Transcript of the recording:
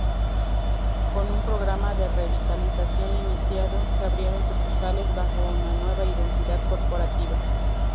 Con un programa de revitalización iniciado, se abrieron sucursales bajo una nueva identidad corporativa.